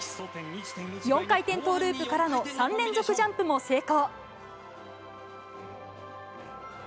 ４回転トーループからの３連続ジャンプも成功。